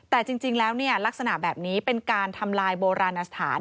แต่จริงแล้วลักษณะแบบนี้เป็นการทำลายโบราณสถาน